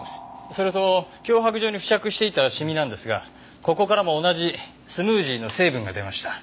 それと脅迫状に付着していたシミなんですがここからも同じスムージーの成分が出ました。